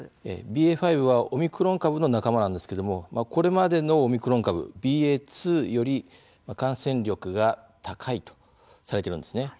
ＢＡ．５はオミクロン株の仲間なんですけれどもこれまでのオミクロン株ＢＡ．２より感染力が高いとされているんです。